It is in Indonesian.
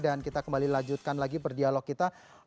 dan kita kembali lanjutkan lagi per dialog kita